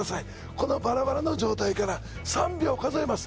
このバラバラの状態から３秒数えます